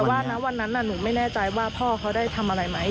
ว่านะวันนั้นหนูไม่แน่ใจว่าพ่อเขาได้ทำอะไรไหม